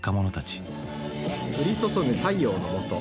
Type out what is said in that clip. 「降り注ぐ太陽のもと